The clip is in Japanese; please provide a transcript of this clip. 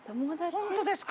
本当ですか？